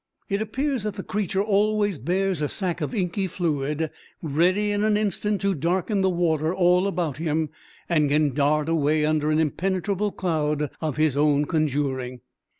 It appears that the creature always bears a sac of inky fluid ready in an instant to darken the water all about him, and can dart away under an impenetrable cloud of his own conjuring.